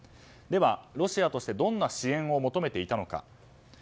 では、ロシアとしてどんな支援を求めていたのか。